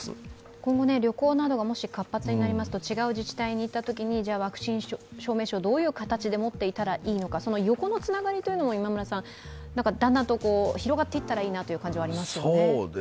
今後、旅行などがもし活発になりますと違う自治体に行ったときにワクチン証明書をどういう形で持っていたらいいのかその横のつながりも、だんだんと広がっていったらいいなと思いますよね。